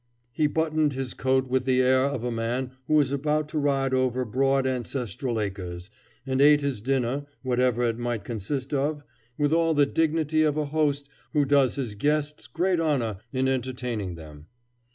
He buttoned his coat with the air of a man who is about to ride over broad ancestral acres, and ate his dinner, whatever it might consist of, with all the dignity of a host who does his guests great honor in entertaining them.